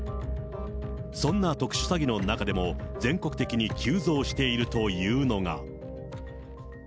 そんな特殊詐欺の中でも、全国的に急増しているというのが。